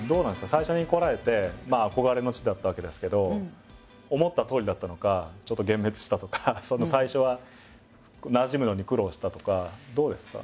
最初に来られて憧れの地だったわけですけど思ったとおりだったのかちょっと幻滅したとか最初はなじむのに苦労したとかどうですか？